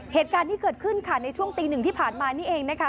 เหตุการณ์ที่เกิดขึ้นค่ะในช่วงตีหนึ่งที่ผ่านมานี่เองนะคะ